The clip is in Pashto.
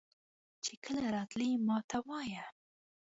چې کله راتلې ماته وایه.